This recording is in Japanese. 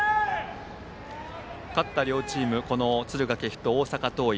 勝った両チーム敦賀気比と大阪桐蔭